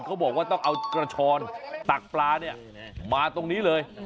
เขาบอกว่าต้องเอากระชอนตักปลาเนี่ยมาตรงนี้เลย